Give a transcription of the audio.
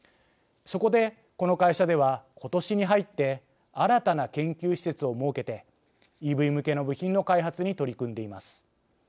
そこで、この会社ではことしに入って新たな研究施設を設けてＥＶ向けの部品の開発に取り組んでいます。